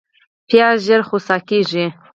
پیاز ژر خوسا کېږي